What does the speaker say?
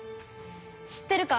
知ってるか？